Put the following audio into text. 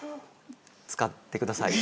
使ってください。